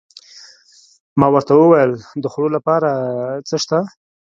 ما ورته وویل: د خوړو لپاره څه شته؟